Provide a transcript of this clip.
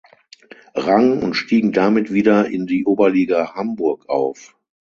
Rang und stiegen damit wieder in die Oberliga Hamburg auf.